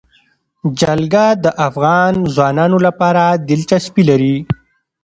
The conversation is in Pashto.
جلګه د افغان ځوانانو لپاره دلچسپي لري.